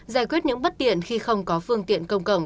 giải quyết những bất tiện khi không có phương tiện công cộng